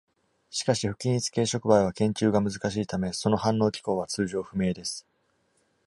しかし、不均一系触媒は研究が難しいため、その反応機構は通常不明です。